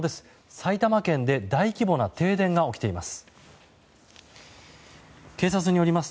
埼玉県で大規模な停電が起きています。